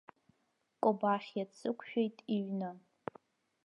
Кобахьиа дсықәшәеит иҩны.